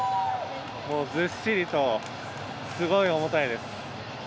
ずっしりとすごい重たいです。